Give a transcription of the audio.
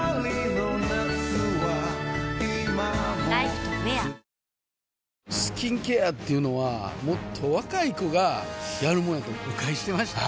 スキンケアっていうのはもっと若い子がやるもんやと誤解してました